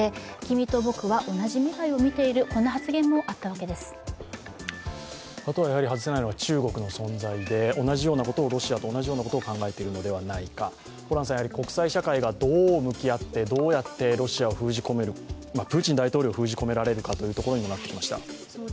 あと外せないのは中国の存在でロシアと同じようなことを考えているのではないか、国際社会がどう向き合って、どうやってロシアを封じ込める、プーチン大統領を封じ込められるのかというところになってきました。